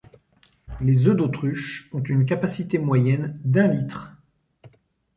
Les œufs d’autruche ont une capacité moyenne d’un litre.